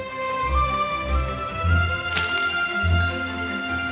jangan lupa untuk berlangganan